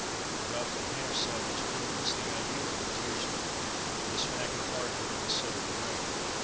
The rough and half savage Boone is the ideal frontiersman, with a smack of Arden and the sylvan realm.